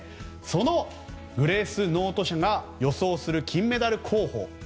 そのグレースノート社が予想する金メダル候補